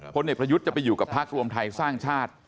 พลเอกประยุทธ์จะไปอยู่กับภาครวมไทยสร้างชาติ